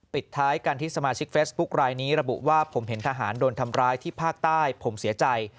ปิดท้ายกันที่สมาชิกเฟซบุ๊คลายนี้ระบุว่าผมเห็นทหารโดนทำร้ายที่ภาคใต้ผมเสียใจ